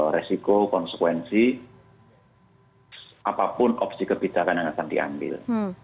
resiko konsekuensi apapun opsi kebijakan yang akan diambil